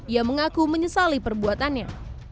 yang mengaku menyesali perbuatannya